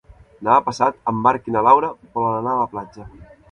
Demà passat en Marc i na Laura volen anar a la platja.